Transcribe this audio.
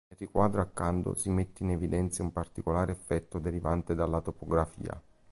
Nel riquadro accanto si mette in evidenza un particolare effetto derivante dalla topografia.